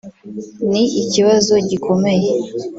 Ni ikibazo gikomeye”